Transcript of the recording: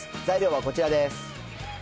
材料はこちらです。